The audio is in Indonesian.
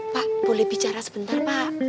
pak boleh bicara sebentar pak